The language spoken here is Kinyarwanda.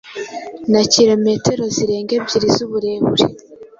na kilometero zirenga ebyiri z’uburebure.